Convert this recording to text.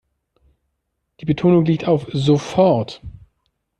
Die Betonung liegt auf sofort.